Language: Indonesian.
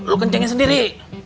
lo kencengnya sendiri